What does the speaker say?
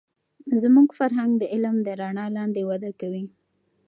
زموږ فرهنگ د علم د رڼا لاندې وده کوي.